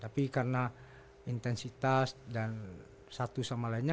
tapi karena intensitas dan satu sama lainnya